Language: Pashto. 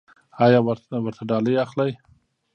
ایا ورته ډالۍ اخلئ؟